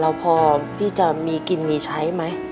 เราพอที่จะมีกินมีใช้ไหม